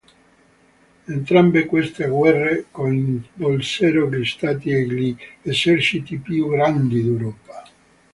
Entrambe queste guerre coinvolsero gli stati e gli eserciti più grandi d'Europa.